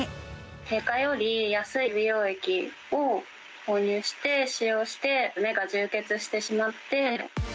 定価より安い美容液を購入して、使用して、目が充血してしまって。